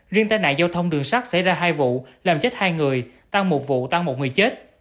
riêng tai nạn giao thông đường sắt xảy ra hai vụ làm chết hai người tăng một vụ tăng một người chết